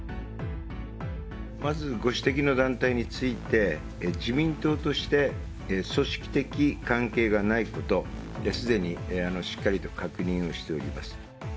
まずご指摘の団体について、自民党として、組織的関係がないこと、すでにしっかりと確認をしております。